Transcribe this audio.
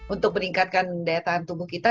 untuk meningkatkan daya tahan tubuh kita